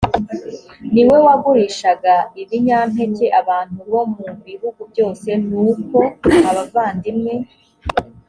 ni we wagurishaga ibinyampeke abantu bo mu bihugu byose nuko abavandimwe